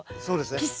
そうですね。